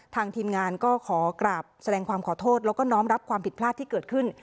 ทีมงานก็ขอกราบแสดงความขอโทษแล้วก็น้อมรับความผิดพลาดที่เกิดขึ้น